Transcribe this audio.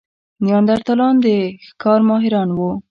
نیاندرتالان د ښکار ماهران وو.